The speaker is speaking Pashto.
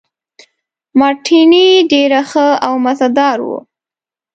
مارټیني ډېر ښه او مزه دار وو.